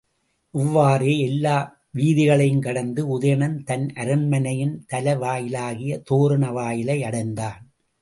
இவ்வாறே எல்லா வீதிகளையுங் கடந்து உதயணன் தன் அரண்மனையின் தலைவாயிலாகிய தோரண வாயிலையடைந்தான்.